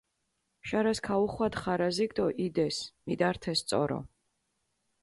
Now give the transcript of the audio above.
შარას ქაუხვადჷ ხარაზიქჷ დო იდეს, მიდართეს წორო.